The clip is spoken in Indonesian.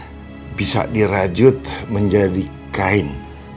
karena itu bisa dirajut menjadi kain